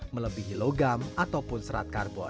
melebihi logam ataupun serat karbon